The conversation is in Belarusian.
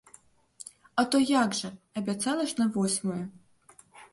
А то як жа, абяцала ж на восьмую!